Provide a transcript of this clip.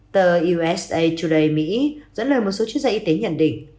tờ usa today dẫn lời một số chuyên gia y tế nhận định